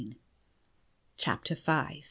CHAPTER V.